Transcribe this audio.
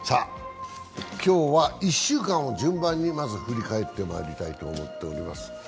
今日は１週間を順番にまず振り返ってまいりたいと思っております。